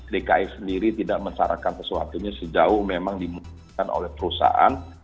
dki sendiri tidak mensyarankan sesuatu ini sejauh memang dimimpikan oleh perusahaan